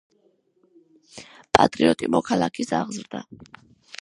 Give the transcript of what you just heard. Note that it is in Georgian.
პატრიოტი მოქალაქის აღზრდა;